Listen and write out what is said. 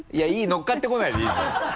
乗っかってこないでいいですよ。